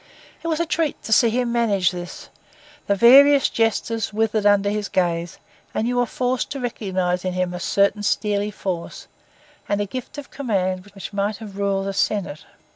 It was a treat to see him manage this: the various jesters withered under his gaze, and you were forced to recognise in him a certain steely force, and a gift of command which might have ruled a senate.